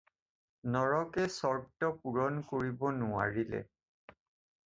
নৰকে চৰ্ত পূৰণ কৰিব নোৱাৰিলে।